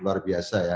luar biasa ya